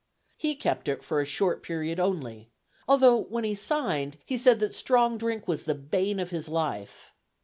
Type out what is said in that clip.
He kept it for a short period only, although when he signed, he said that strong drink was the bane of his life.